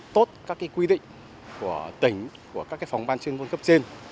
tốt các quy định của tỉnh của các phòng ban chuyên ngôn cấp trên